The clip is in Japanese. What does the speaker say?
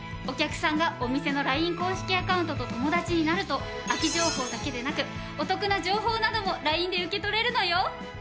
お客さんがお店のＬＩＮＥ公式アカウントと友達になると空き情報だけでなくお得な情報などもＬＩＮＥで受け取れるのよ。